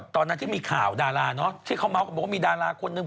ตอนที่มีข่าวดาราที่เขาเมาส์กันบอกว่ามีดาราคนนึง